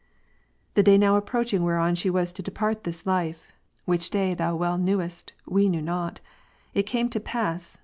The day now approaching whereon she was to depart this life, (which day Thou well knewest, we knew not,) it came to pass.